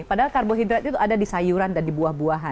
padahal karbohidrat itu ada di sayuran dan di buah buahan